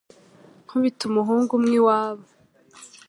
NKUBITO umuhungu umwe iwabo